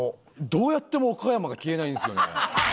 どうやっても岡山が消えないんですよね。